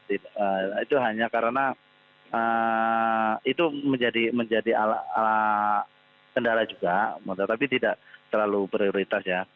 itu hanya karena itu menjadi kendala juga tapi tidak terlalu prioritas ya